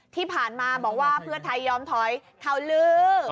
ที่ผ่านมาบอกว่าเพื่อไทยยอมถอยเขาลื้อ